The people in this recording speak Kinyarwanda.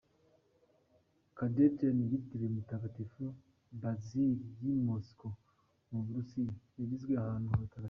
Cathedral yitiriwe mutagatifu Basil y’I Moscow mu burusiya yagizwe ahantu hatagatifu.